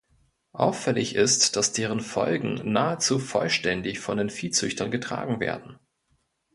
Auffällig ist, dass deren Folgen nahezu vollständig von den Viehzüchtern getragen werden.